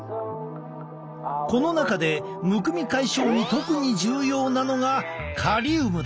この中でむくみ解消に特に重要なのがカリウムだ。